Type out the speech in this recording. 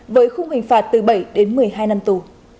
với khung hình phạt từ bảy đến một mươi hai năm tù